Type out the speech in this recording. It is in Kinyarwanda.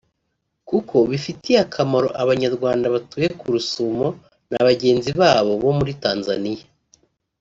kuko bifitiye akamaro Abanyarwanda batuye ku Rusumo na bagenzi babo bo muri Tanzania